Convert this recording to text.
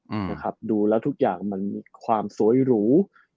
อืมนะครับดูแล้วทุกอย่างมันมีความสวยหรู